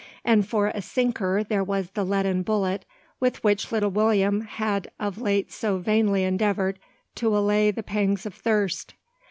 And for a sinker there was the leaden bullet with which little William had of late so vainly endeavoured to allay the pangs of thirst.